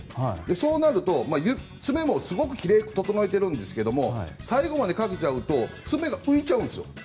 そうなると、爪もすごく整えているんですけど最後までかけちゃうと爪が浮いちゃうんですよ。